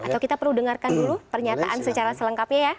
atau kita perlu dengarkan dulu pernyataan secara selengkapnya ya